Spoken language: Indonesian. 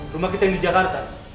rumah kita yang di jakarta